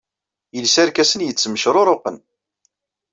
Yelsa arkasen yettmecruruqen.